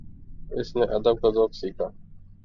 اس نے ادب کا ذوق سیکھا